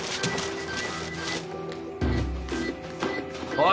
おい！